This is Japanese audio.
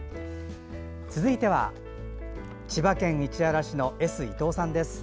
続いては、千葉県市原市のＳ・ＩＴＯさんです。